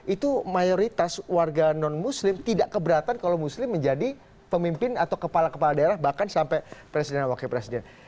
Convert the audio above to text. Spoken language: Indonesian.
itu mayoritas warga non muslim tidak keberatan kalau muslim menjadi pemimpin atau kepala kepala daerah bahkan sampai presiden dan wakil presiden